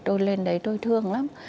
tôi lên đấy tôi thương lắm